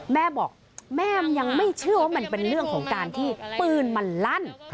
แม่บอกแม่ยังไม่เชื่อว่ามันเป็นเรื่องของการที่ปืนมันลั่น